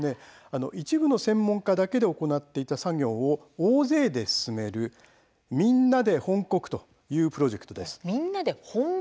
一部の専門家だけで行っていた作業を大勢で進める「みんなで翻刻」というプロジェクトです。